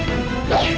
kau tidak bisa menang